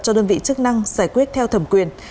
cho đơn vị chức năng giải quyết theo thẩm quyền